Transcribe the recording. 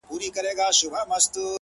نور به خبري نه کومه! نور به چوپ اوسېږم!